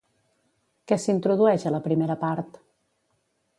Què s'introdueix a la primera part?